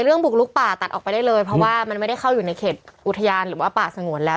บุกลุกป่าตัดออกไปได้เลยเพราะว่ามันไม่ได้เข้าอยู่ในเขตอุทยานหรือว่าป่าสงวนแล้ว